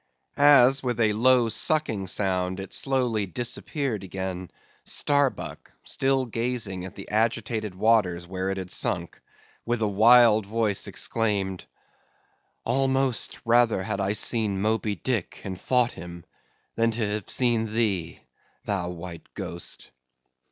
As with a low sucking sound it slowly disappeared again, Starbuck still gazing at the agitated waters where it had sunk, with a wild voice exclaimed—"Almost rather had I seen Moby Dick and fought him, than to have seen thee, thou white ghost!"